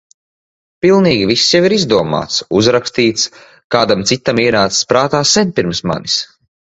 Pilnīgi viss jau ir izdomāts, uzrakstīts, kādam citam ienācis prātā sen pirms manis.